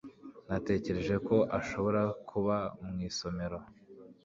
Natekereje ko ashobora kuba mu isomero